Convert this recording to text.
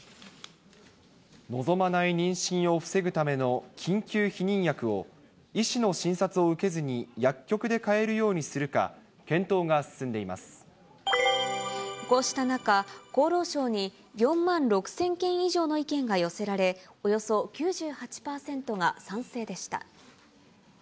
望まない妊娠を防ぐための緊急避妊薬を、医師の診察を受けずに薬局で買えるようにするか検討が進んでいまこうした中、厚労省に４万６０００件以上の意見が寄せられ、およそ９８％が賛成でした。